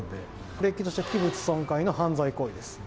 れっきとした器物損壊の犯罪行為です。